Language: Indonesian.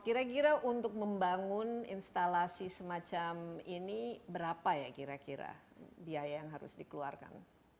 kira kira untuk membangun instalasi semacam ini berapa ya kira kira biaya yang harus dikeluarkan